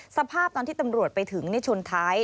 สภาพตอนที่ตำรวจไปถึงชนท้าย